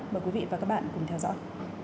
mời quý vị và các bạn cùng theo dõi